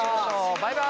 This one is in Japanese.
バイバイ！